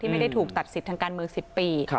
ไม่ได้ถูกตัดสิทธิ์ทางการเมือง๑๐ปี